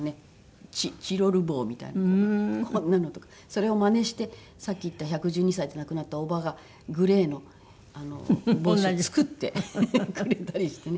それをまねしてさっき言った１１２歳で亡くなったおばがグレーの帽子を作ってくれたりしてね。